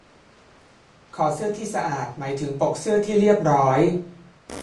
คอเสื้อที่สะอาดหมายถึงปกเสื้อที่เรียบร้อย